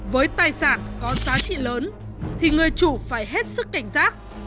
với tài sản có giá trị lớn thì người chủ phải hết sức cảnh giác